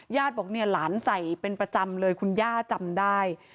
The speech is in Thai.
ญาติบอกเนี่ยหลานใส่เป็นประจำเลยคุณย่าจำได้